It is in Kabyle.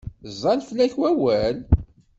Ẓẓay fell-ak wawal?